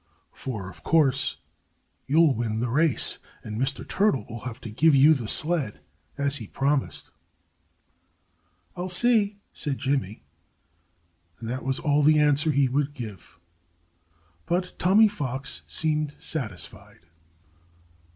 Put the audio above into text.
"For, of course, you'll win the race. And Mr. Turtle will have to give you the sled, as he promised." "I'll see," said Jimmy. And that was all the answer he would give. But Tommy Fox seemed satisfied.